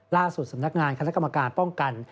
สำนักงานคณะกรรมการป้องกัน